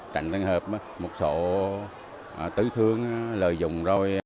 tránh trường hợp một số tứ thương lợi dụng